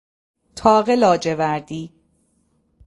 طاق لاجوردی